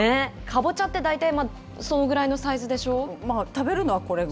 カボチャって大体、そのぐらいのサイズでしょ。でしょ？